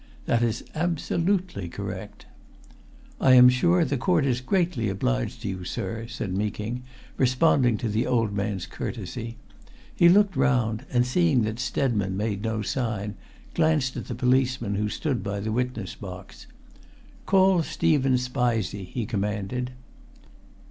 "That is absolutely correct!" "I am sure the court is greatly obliged to you, sir," said Meeking, responding to the old man's courtesy. He looked round, and seeing that Stedman made no sign, glanced at the policeman who stood by the witness box. "Call Stephen Spizey!" he commanded.